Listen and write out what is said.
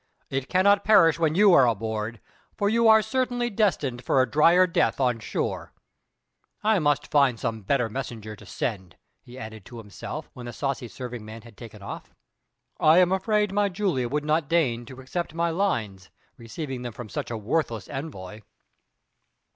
"It cannot perish when you are aboard, for you are certainly destined for a drier death on shore! I must find some better messenger to send," he added to himself, when the saucy serving man had taken himself off. "I am afraid my Julia would not deign to accept my lines, receiving them from such a worthless envoy."